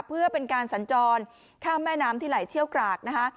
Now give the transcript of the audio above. เพื่อเป็นการสัญจรข้ามแม่น้ำที่ไหลเชี่ยวกรากนะคะ